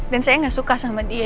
dan saya gak suka sama dia